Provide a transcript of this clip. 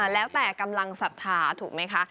แล้วแต่กำลังศรัทธาถูกไหมคะ